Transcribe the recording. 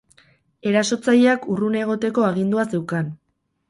Erasotzaileak urrun egoteko agindua zeukan.